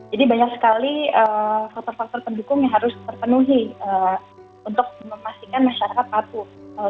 jadi banyak sekali faktor faktor pendukung yang harus terpenuhi untuk memastikan masyarakat patuh